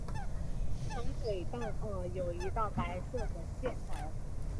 从嘴到耳有一道白色的线条。